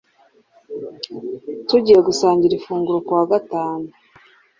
Tugiye gusangira ifunguro kuwa gatanu.